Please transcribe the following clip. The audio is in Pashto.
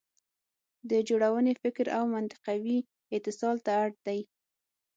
د جوړونې فکر او منطقوي اتصال ته اړ دی.